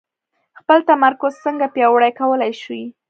خپل تمرکز څنګه پياوړی کولای شئ؟